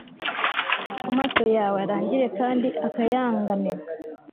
Amaso yawe arangire kandi akayangane